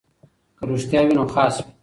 که رښتیا وي نو خاص وي.